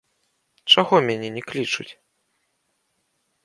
Чаго мяне не клічуць?